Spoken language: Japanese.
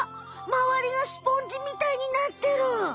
まわりがスポンジみたいになってる！